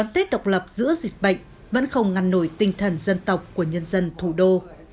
tết độc lập giữa dịch bệnh vẫn không ngăn nổi tinh thần dân tộc của nhân dân thủ đô